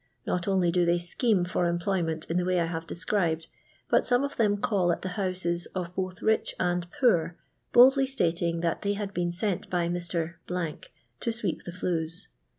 Not only do they scheme for employment in the way I have deseribed, but some of them call at the houses of both rich and poor, boldly stating that they had been nni by Mr. to sweep the flues.